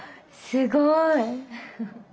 すごい。